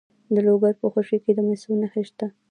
د لوګر په خوشي کې د مسو نښې شته.